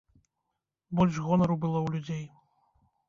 Больш гонару было ў людзей.